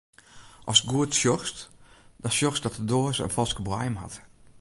Ast goed sjochst, dan sjochst dat de doaze in falske boaiem hat.